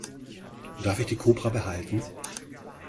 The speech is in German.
Darf ich die Kobra behalten?